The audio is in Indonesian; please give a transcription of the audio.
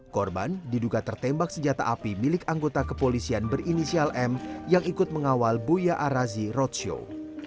korban diduga tertembak senjata api milik anggota kepolisian berinisial m yang ikut mengawal buya arazi roadshow